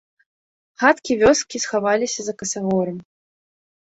Хаткі вёскі схаваліся за касагорам.